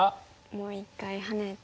もう一回ハネて。